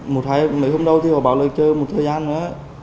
một mấy hôm đầu thì họ bảo là chờ một thời gian nữa